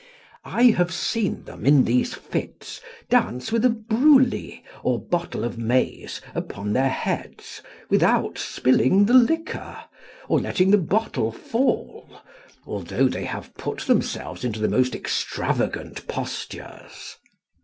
I have seen them in these fits dance with a bruly, or bottle of maize, upon their heads without spilling the liquor, or letting the bottle fall, although they have put themselves into the most extravagant postures.